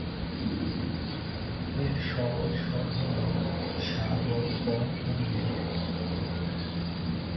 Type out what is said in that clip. এর সবল স্বর হ'ল- সা, গ, প ও নি।